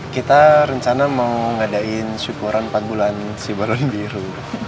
kita rencana mau ngadain syukuran empat bulan si balon biru